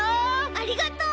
ありがとう！